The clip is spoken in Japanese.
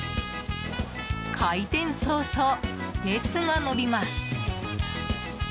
開店早々、列が伸びます。